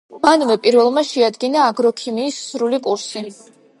მანვე პირველმა შეადგინა აგროქიმიის სრული კურსი.